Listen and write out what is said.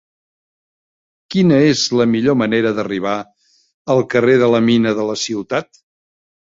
Quina és la millor manera d'arribar al carrer de la Mina de la Ciutat?